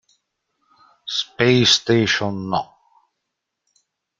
Space station No.